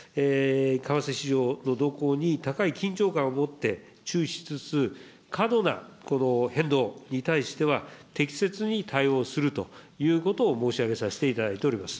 為替市場の動向に高い緊張感を持って注視しつつ、過度な変動に対しては、適切に対応するということを申し上げさせていただいております。